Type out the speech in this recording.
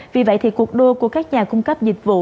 vì vậy thì cuộc đua của các nhà cung cấp dịch vụ